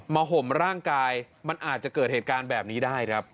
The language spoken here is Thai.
ห่มร่างกายมันอาจจะเกิดเหตุการณ์แบบนี้ได้ครับ